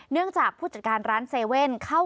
เนื่องจากผู้จัดการร้านเซเว่นเข้า